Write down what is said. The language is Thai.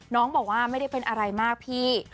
น้องบอกว่าไม่ได้เป็นอะไรมากพี่